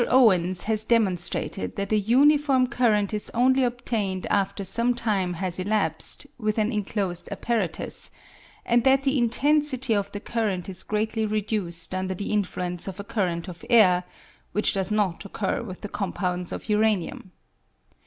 Owens has demonstrated that a uniform current is only obtained after some time has elapsed, with an enclosed apparatus, and that the intensity of the current is greatly reduced under the influence of a current of air (which does not occur with the compounds of uranium).